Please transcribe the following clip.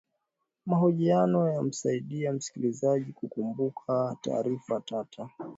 mahojiana yanamsaidia msikilizaji kukumbuka taarifa tata